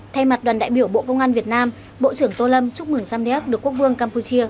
thay mặt đoàn đại biểu bộ công an việt nam bộ trưởng tô lâm chúc mừng samdeck được quốc vương campuchia